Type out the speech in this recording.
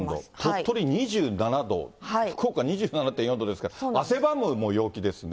鳥取２７度、福岡２７．４度ですから、汗ばむ陽気ですね。